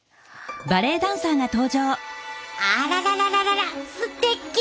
あららららすてき！